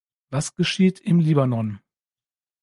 Was geschieht im Libanon?